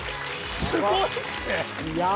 すごいっすねヤ